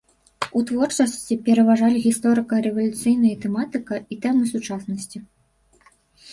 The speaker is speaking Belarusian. У творчасці пераважалі гісторыка-рэвалюцыйная тэматыка і тэмы сучаснасці.